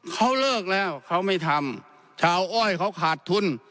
เขาเลิกแล้วเขาไม่ทำชาวอ้อยเขาขาดทุน